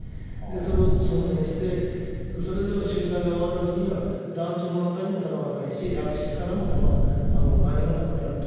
それを装填して、それぞれの周回が終わったときには、弾倉の中にも弾がないし、やくしつからも弾は何もなくなると。